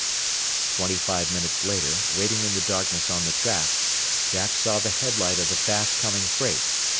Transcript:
Twenty five minutes later, waiting in the darkness on the track, Jack saw the headlight of the fast coming freight.